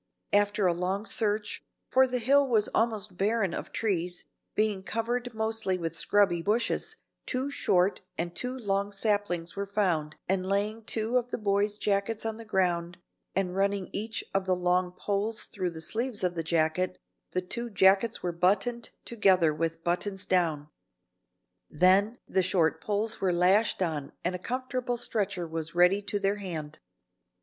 After a long search, for the hill was almost barren of trees, being covered mostly with scrubby bushes, two short and two long saplings were found and, laying two of the boys' jackets on the ground and running each of the long poles through the sleeves of a jacket, the two jackets were buttoned together with buttons down. Then the short poles were lashed on and a comfortable stretcher was ready to their hand.